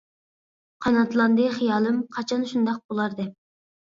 قاناتلاندى خىيالىم، قاچان شۇنداق بولار دەپ.